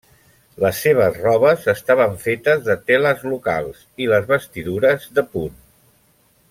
Les seves robes estaven fetes de teles locals i les vestidures de punt.